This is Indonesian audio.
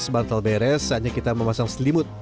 bantal beres saatnya kita memasang selimut